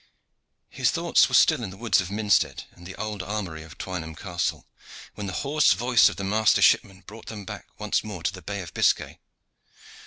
His thoughts were still in the woods of Minstead and the old armory of Twynham Castle, when the hoarse voice of the master shipman brought them back once more to the Bay of Biscay.